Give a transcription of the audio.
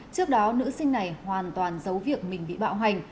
trước đó nữ sinh này hoàn toàn giấu việc mình bị bạo hành